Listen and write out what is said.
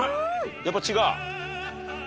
やっぱ違う？